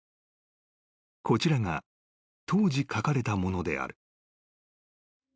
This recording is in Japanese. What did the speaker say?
［こちらが当時書かれたものである］